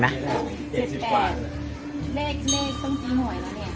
ตาว